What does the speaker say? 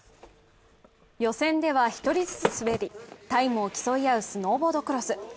予選では１人ずつ滑りタイムを競い合うスノーボードクロス。